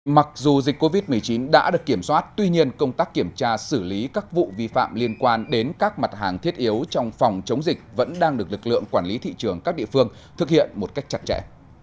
mặc dù dịch covid một mươi chín đã được kiểm soát tuy nhiên công tác kiểm tra xử lý các vụ vi phạm liên quan đến các mặt hàng thiết yếu trong phòng chống dịch vẫn đang được lực lượng quản lý thị trường các địa phương thực hiện một cách chặt chẽ